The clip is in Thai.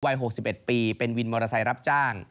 ๖๑ปีเป็นวินมอเตอร์ไซค์รับจ้าง